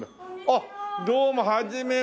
あっどうもはじめまして。